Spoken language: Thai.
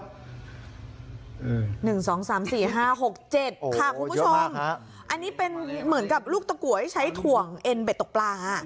๑๒๓๔๕๖๗ค่ะคุณผู้ชมอันนี้เป็นเหมือนกับลูกตะกรวยใช้ถ่วงเอ็นเบ็ดตกปลา